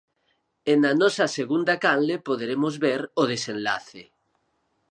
E na nosa segunda canle poderemos ver o desenlace.